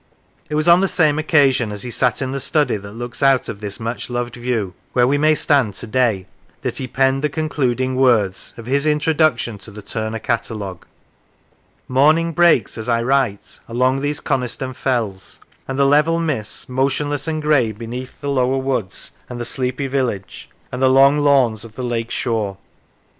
It was on the same occasion, as he sat in the study that looks out on this much loved view, where we may stand to day, that he penned the concluding words of his Introduction to the Turner Catalogue :" Morning breaks, as I write, along these Coniston fells, and the level mists, motionless and grey beneath the lower woods and the sleepy village, and the long lawns of the lake shore.